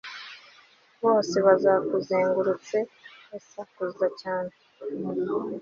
bose bazakuzengurutse basakuza cyane